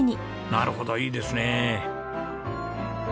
なるほどいいですね。